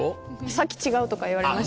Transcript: さっき「違う」とか言われました。